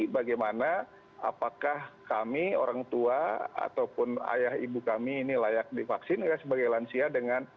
bagaimana apakah kami orang tua ataupun ayah ibu kami ini layak divaksin sebagai lansia dengan